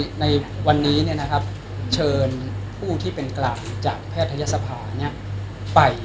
คือในวันนี้เนี่ยนะครับเชิญผู้ที่เป็นกราบจากแพทยศภาเนี่ยไป